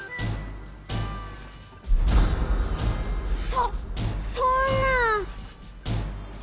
そっそんな！